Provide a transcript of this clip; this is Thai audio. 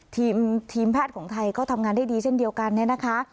ทีมแพทย์ของไทยก็ทำงานได้ดีเช่นเดียวกันเนี่ยนะคะ